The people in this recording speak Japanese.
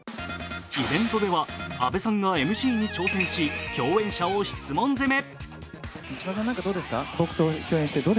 イベントでは、阿部さんがＭＣに挑戦し、共演者を質問攻め。